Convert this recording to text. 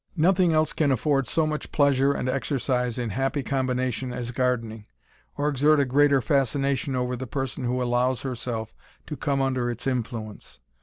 Nothing else can afford so much pleasure and exercise in happy combination as gardening, or exert a greater fascination over the person who allows herself to come under its influence.